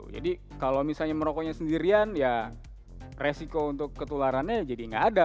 jadi kalau misalnya merokoknya sendirian ya resiko untuk ketularannya jadi nggak